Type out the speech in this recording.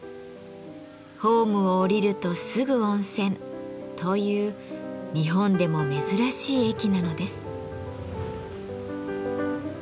「ホームを降りるとすぐ温泉」という日本でも珍しい駅なのです。